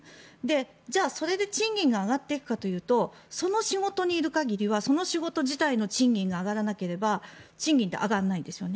じゃあそれで賃金が上がっていくかというとその仕事にいる限りはその仕事の賃金が上がらなければ賃金って上がらないんですよね。